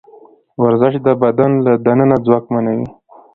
ورزش د بدن له دننه ځواکمنوي.